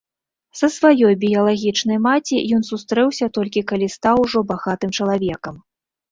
Са сваёй біялагічнай маці ён сустрэўся толькі калі стаў ужо багатым чалавекам.